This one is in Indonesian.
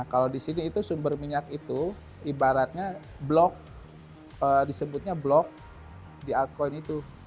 kalau disini sumber minyak itu ibaratnya blok disebutnya blok di altcoin itu